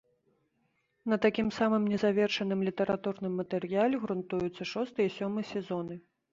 На такім самым незавершаным літаратурным матэрыяле грунтуюцца шосты і сёмы сезоны.